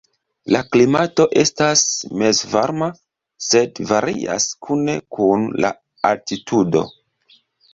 La klimato estas mezvarma, sed varias kune kun la altitudo.